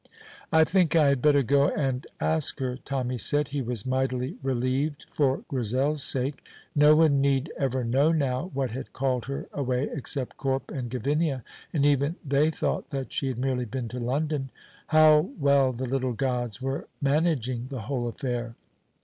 "I think I had better go and ask her," Tommy said. He was mightily relieved for Grizel's sake. No one need ever know now what had called her away except Corp and Gavinia, and even they thought she had merely been to London. How well the little gods were managing the whole affair!